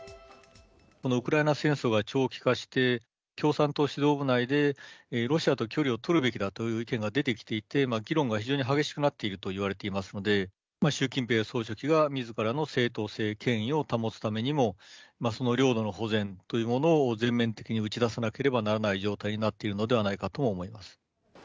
ウクライナ戦争が長期化して、共産党指導部内で、ロシアと距離を取るべきだという意見が出てきていて、議論が非常に激しくなっていると言われていますので、習近平総書記がみずからの正当性・権威を保つためにも、その領土の保全というものを全面的に打ち出さなければならない状態になっているのではないかとも思います。